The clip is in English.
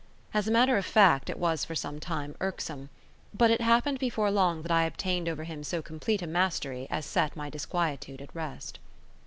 As a matter of fact, it was for some time irksome; but it happened before long that I obtained over him so complete a mastery as set my disquietude at rest.